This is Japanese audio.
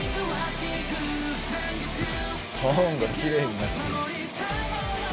ターンがきれいになってる。